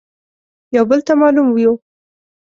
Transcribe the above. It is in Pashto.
يو بل ته مالوم يو.